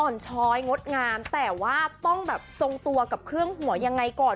อ่อนชอยงดงานรวมต้องตรงตัวกับเครื่องหัวยังไงก่อน